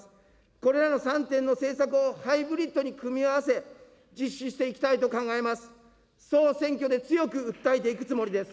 これらの３点の政策をハイブリッドに組み合わせ、実施していきたいと考えます。